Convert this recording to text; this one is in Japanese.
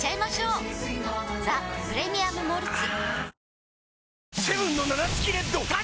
「ザ・プレミアム・モルツ」